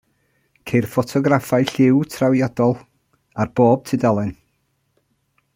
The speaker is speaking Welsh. Ceir ffotograffau lliw trawiadol ar bob tudalen.